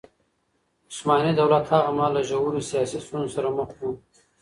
عثماني دولت هغه مهال له ژورو سياسي ستونزو سره مخ و.